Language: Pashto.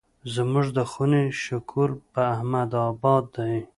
زموږ د خونې شکور په احمد اباد دی.